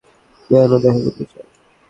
কেন দেখা করতে চাও?